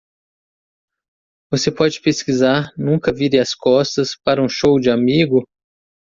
Você pode pesquisar Nunca vire as costas para um show de amigo?